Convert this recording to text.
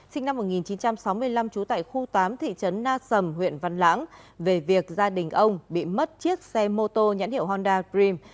sinh năm một nghìn chín trăm sáu mươi năm trú tại khu tám thị trấn na sầm huyện văn lãng về việc gia đình ông bị mất chiếc xe mô tô nhãn hiệu honda dream